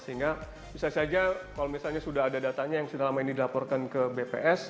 sehingga bisa saja kalau misalnya sudah ada datanya yang selama ini dilaporkan ke bps